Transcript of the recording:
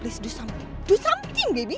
tolong berubah sesuatu berubah sesuatu sayang